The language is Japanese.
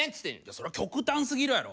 そりゃ極端すぎるやろ。